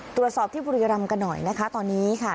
ตรวจสอบที่บุรีรำกันหน่อยนะคะตอนนี้ค่ะ